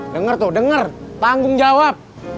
dengar tuh dengar tanggung jawab